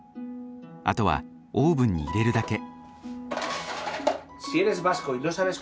あとはオーブンに入れるだけ。